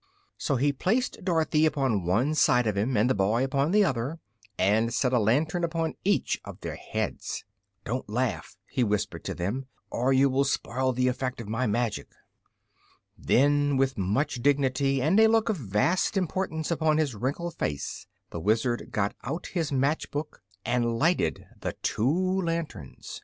So he placed Dorothy upon one side of him and the boy upon the other and set a lantern upon each of their heads. "Don't laugh," he whispered to them, "or you will spoil the effect of my magic." [Illustration: "NOW, PRINCESS," EXCLAIMED THE WIZARD.] Then, with much dignity and a look of vast importance upon his wrinkled face, the Wizard got out his match box and lighted the two lanterns.